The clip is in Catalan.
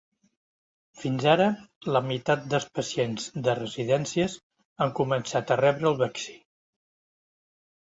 Fins ara, la meitat dels pacients de residències han començat a rebre el vaccí.